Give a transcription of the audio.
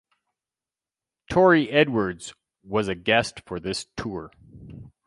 Tory Edwards was a guest for this tour.